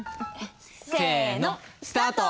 せのスタート！